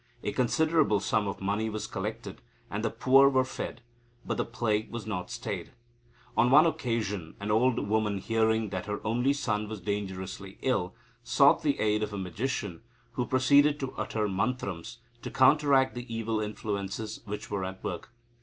A considerable sum of money was collected, and the poor were fed. But the plague was not stayed. On one occasion, an old woman hearing that her only son was dangerously ill, sought the aid of a magician, who proceeded to utter mantrams, to counteract the evil influences which were at work.